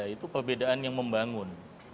itu perbedaan yang membangun